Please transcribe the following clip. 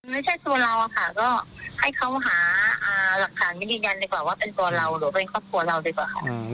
ไม่ใช่ตัวเราอะค่ะก็ให้เขาหาหลักฐานมายืนยันดีกว่าว่าเป็นตัวเราหรือเป็นครอบครัวเราดีกว่าค่ะ